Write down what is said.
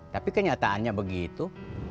tapi kenyataannya begitu